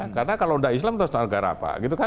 karena kalau tidak islam terus negara apa